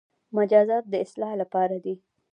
مجازات د اصلاح لپاره دي